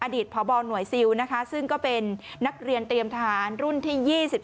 อดีตพบหน่วยซิลนะคะซึ่งก็เป็นนักเรียนเตรียมทหารรุ่นที่๒๓